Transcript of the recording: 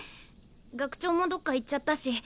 学長もどっか行っちゃったし。